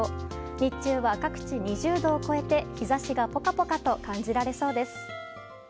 日中は各地２０度を超えて日差しがポカポカと感じられそうです。